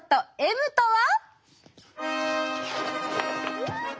Ｍとは。